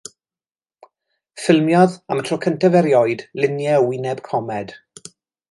Ffilmiodd, am y tro cyntaf erioed, luniau o wyneb comed.